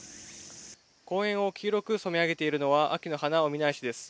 公園を黄色く染め上げているのは、秋の花、オミナエシです。